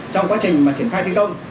trong quá trình triển khai thi công